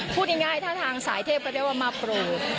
พูดง่ายถ้าทางสายเทพก็เรียกว่ามาโปรด